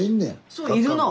そういるの。